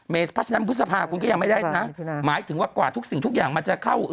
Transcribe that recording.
เพราะฉะนั้นพฤษภาคุณก็ยังไม่ได้นะหมายถึงว่ากว่าทุกสิ่งทุกอย่างมันจะเข้า